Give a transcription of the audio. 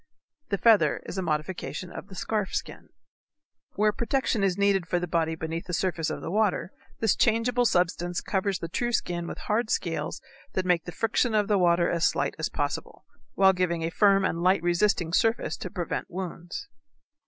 The feather is a modification of the scarf skin. Where protection is needed for the body beneath the surface of the water this changeable substance covers the true skin with hard scales that make the friction of the water as slight as possible, while giving a firm and light resisting surface to prevent wounds.